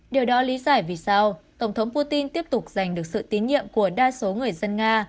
điều đó lý giải vì sao tổng thống putin tiếp tục giành được sự tín nhiệm của đa số người dân nga